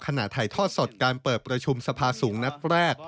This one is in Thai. ถ่ายทอดสดการเปิดประชุมสภาสูงนัดแรก